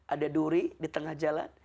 ada duri di tengah jalan